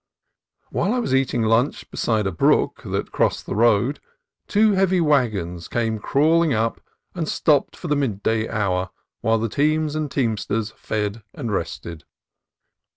While I was eating lunch beside a brook that crossed the road, two heavy wagons came crawling up and stopped for the midday hour while the teams and teamsters fed and rested.